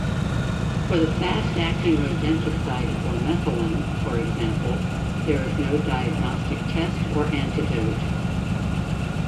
For the fast-acting rodenticide bromethalin, for example, there is no diagnostic test or antidote.